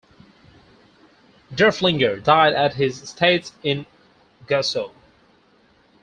Derfflinger died at his estates in Gusow.